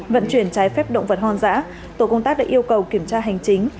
vận chuyển trái phép động vật hoang dã tổ công tác đã yêu cầu kiểm tra hành chính